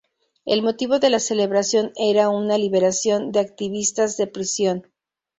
El motivo de la celebración era una liberación de activistas de prisión.